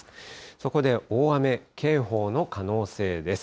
そこで大雨警報の可能性です。